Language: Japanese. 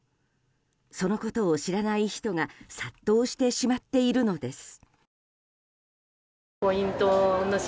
そのことを知らない人が殺到してしまっているのです。